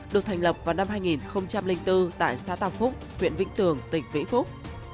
được thành lập vào năm hai nghìn bốn tại xã tàu phúc huyện vĩnh tường tỉnh vĩ phúc